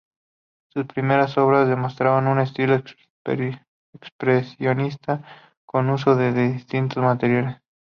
Sus primeras obras demostraban un estilo expresionista con uso de distintos materiales.